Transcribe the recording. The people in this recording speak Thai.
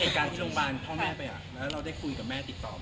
เรียกงานไปเรียบร้อยแล้ว